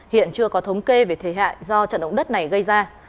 hiện chưa có thống kê về thế hại do trần động đất này gây ra